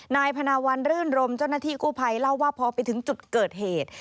นายพนาวันรื่นรมเจ้าหน้าที่กู้ภัยเล่าว่าพอไปถึงจุดเกิดเหตุ